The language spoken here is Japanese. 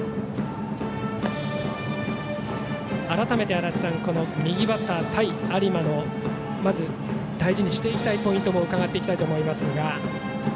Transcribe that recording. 改めて、足達さん右バッター対、有馬大事にしていきたいポイントも伺っていきたいと思います。